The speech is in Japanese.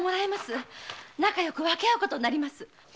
仲よく分けあうことになります。